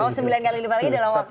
oh sembilan kali lima lagi dalam waktu